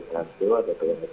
dan di sd ada yang berikut